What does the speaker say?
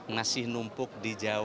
masih numpuk di jawa